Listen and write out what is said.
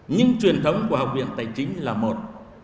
nhưng truyền thống của học viện tài chính là một